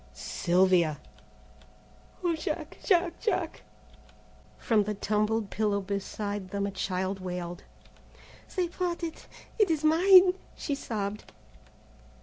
"Sylvia!" "O Jack! Jack! Jack!" From the tumbled pillow beside them a child wailed. "They brought it; it is mine," she sobbed.